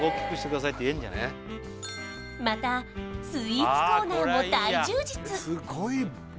またスイーツコーナーも大充実